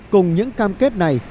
cùng những cam kết này